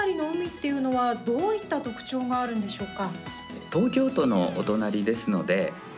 この辺りの海っていうのはどういった特徴があるんでしょうか？